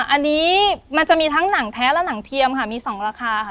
อันนี้มันจะมีทั้งหนังแท้และหนังเทียมค่ะมี๒ราคาค่ะ